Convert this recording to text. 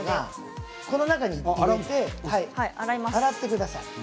この中に入れて洗ってください。